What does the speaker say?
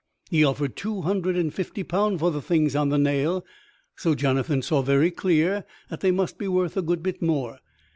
He offered two hundred and fifty pound for the things on the nail; so Jonathan saw very clear that they must be worth a good bit more.